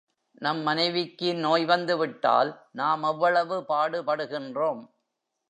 நம் மனைவிக்கு நோய் வந்து விட்டால் நாம் எவ்வளவு பாடுபடுகின்றோம்!